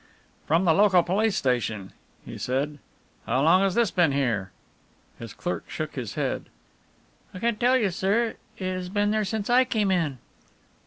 "From the local police station," he said. "How long has this been here?" His clerk shook his head. "I can't tell you, sir it has been there since I came in."